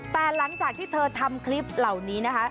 แต่หลังจากที่เธอทำคลิปเหล่านี้นะคะ